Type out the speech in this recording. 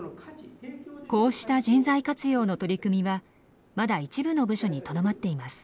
こうした人材活用の取り組みはまだ一部の部署にとどまっています。